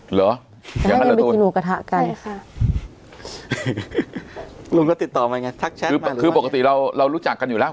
เหรอลุงก็ติดต่อมาไงคือคือปกติเรารู้จักกันอยู่แล้ว